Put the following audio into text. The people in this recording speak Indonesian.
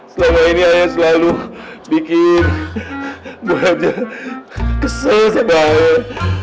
selama ini ayah selalu bikin buahji kesel sama ayah